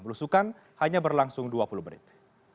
berusukan hanya berlangsung dua puluh menit